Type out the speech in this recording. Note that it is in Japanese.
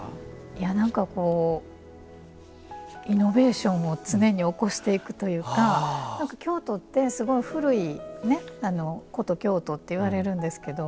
いや何かこうイノベーションを常に起こしていくというか京都ってすごい古い古都京都っていわれるんですけど